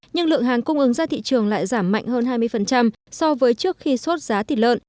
nhưng lượng hàng cung ứng ra thị trường lại giảm mạnh hơn hai mươi so với trước khi sốt giá thịt lợn